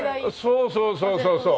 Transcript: そうそうそうそうそう。